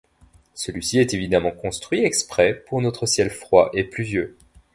Celui-ci est évidemment construit exprès pour notre ciel froid et pluvieux.